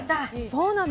そうなの。